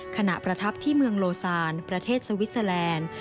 ขณะประทับที่เมืองโลซานประเทศสวิสเตอร์แลนด์